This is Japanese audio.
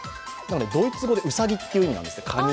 ドイツ語でうさぎって意味なんですって。